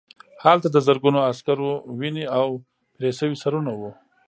هلته د زرګونو عسکرو وینې او پرې شوي سرونه وو